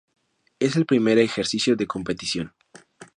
Es el primer ejercicio de competición.